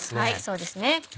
そうですね。